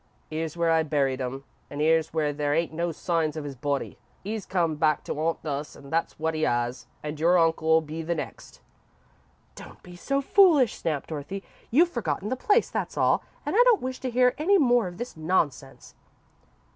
'Ere's where I buried 'im, and 'ere's where there ain't no signs of 'is dead body. 'E's come back to 'aunt us, that's wot 'e 'as, and your uncle'll be the next." "Don't be so foolish," snapped Dorothy. "You've forgotten the place, that's all, and I don't wish to hear any more of this nonsense."